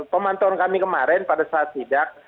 pemantauan kami kemarin pada saat sidak